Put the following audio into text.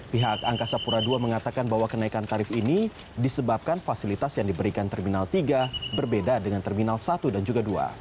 pihak angkasa pura ii mengatakan bahwa kenaikan tarif ini disebabkan fasilitas yang diberikan terminal tiga berbeda dengan terminal satu dan juga dua